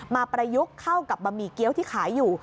ประยุกต์เข้ากับบะหมี่เกี้ยวที่ขายอยู่